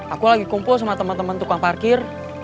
aku lagi kumpul sama teman teman tukang parkir